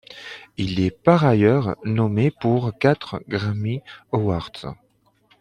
Il est par ailleurs nommé pour quatre Grammy Awards.